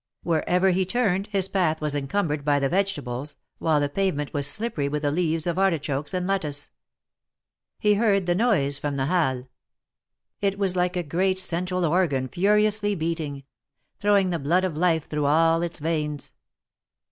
Wherever he turned, his path was encumbered by the vegetables, while the pavement was slippery with the leaves of artichokes and lettuce. He heard the noise from the Halles. It was like a 52 THE MAEKETS OF PAEIS. great central organ furiously beating — throwing the blood of life through all its veins.